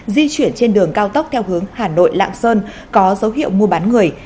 di chuyển trên đường cao tốc theo hướng hà nội lạng sơn có dấu hiệu mua bán người